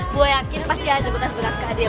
gue yakin pasti ada butas butas kehadir